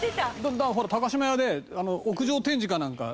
ほら島屋で屋上展示かなんか。